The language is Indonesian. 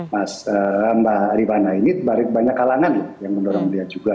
mas rihana ini banyak kalangan yang mendorong dia juga